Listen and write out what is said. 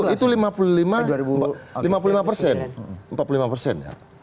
itu lima puluh lima persen